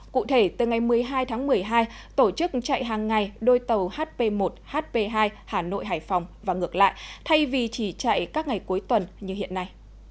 cụ thể từ ngày một mươi hai tháng một mươi hai tổ chức chạy hàng ngày đôi tàu hp một hp hai hà nội hải phòng và ngược lại thay vì chỉ chạy các ngày cuối tuần như hiện nay